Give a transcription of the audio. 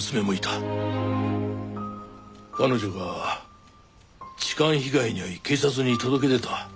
彼女が痴漢被害に遭い警察に届け出た。